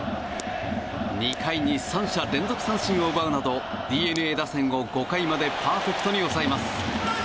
２回に三者連続三振を奪うなどＤｅＮＡ打線を５回までパーフェクトに抑えます。